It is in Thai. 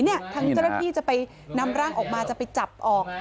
ทางเจ้าหน้าที่จะไปนำร่างออกมาจะไปจับออก